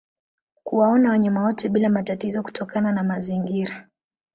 Kuwaona wanyama wote bila matatizo kutokana na mazingira